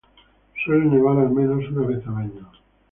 Suele nevar al menos una vez al año.